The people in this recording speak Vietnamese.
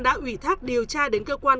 đã ủy thác điều tra đến cơ quan